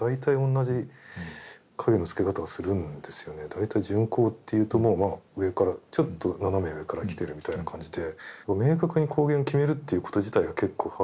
大体順光っていうとまあ上からちょっと斜め上から来てるみたいな感じで。